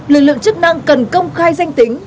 lực lượng chức năng cần công khai danh tính